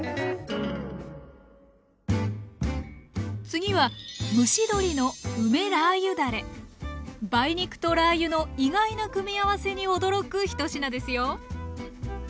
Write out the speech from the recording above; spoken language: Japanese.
次は梅肉とラー油の意外な組み合わせに驚く１品ですよ